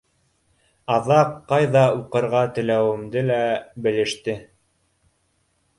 Аҙаҡ ҡайҙа уҡырға теләүемде лә белеште.